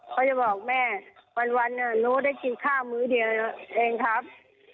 เขาจะบอกแม่วันหนูได้กินข้าวมื้อเดียวเองครับ